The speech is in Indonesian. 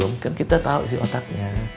mungkin kita tau sih otaknya